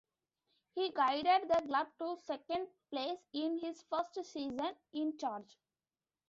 He guided the club to second place in his first season in charge.